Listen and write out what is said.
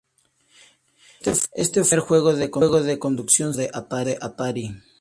Este fue el primer juego de conducción sentado de Atari.